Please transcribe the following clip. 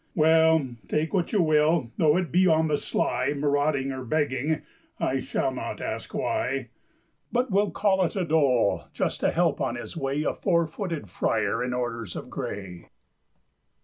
Well, take what you will, though it be on the sly, Marauding or begging, I shall not ask why, But will call it a dole, just to help on his way A four footed friar in orders of gray!